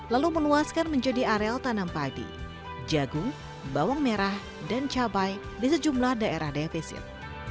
lalu meluaskan menjadi areal tanam padi jagung bawang merah dan cabai di sejumlah daerah defisit